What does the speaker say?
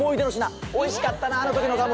おいしかったなあのときのガム。